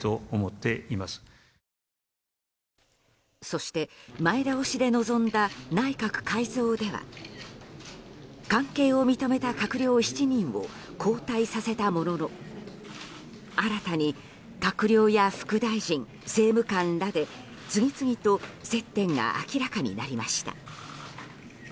そして前倒しで臨んだ内閣改造では関係を認めた閣僚７人を交代させたものの新たに閣僚や副大臣、政務官らで次々と接点が明らかになりました。